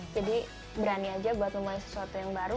jadi berani aja buat memulai sesuatu yang baru